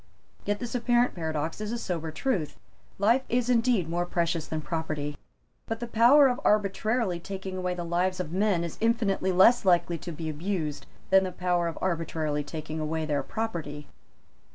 Yet this apparent paradox is a sober truth. Life is indeed more precious than property. But the power of arbitrarily taking away the lives of men is infinitely less likely to be abused than the power of arbitrarily taking away their property.